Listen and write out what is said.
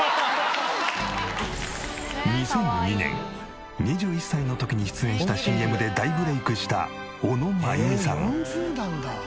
２００２年２１歳の時に出演したＣＭで大ブレイクした小野真弓さん。